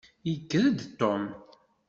Yekker-d Tom.